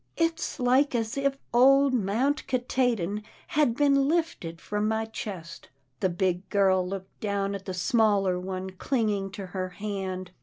It's like as if old Mount Katahdin had been lifted from my chest." The big girl looked down at the smaller one clinging to her hand.